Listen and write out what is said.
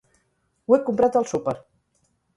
Ho he comprat al súper.